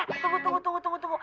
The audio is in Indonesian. eh eh tunggu tunggu tunggu